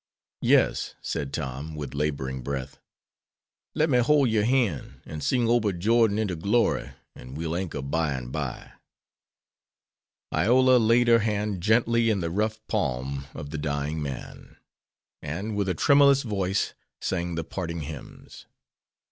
"Yes," said Tom, with laboring breath; "let me hole yore han', an' sing 'Ober Jordan inter glory' an' 'We'll anchor bye and bye.'" Iola laid her hand gently in the rough palm of the dying man, and, with a tremulous voice, sang the parting hymns.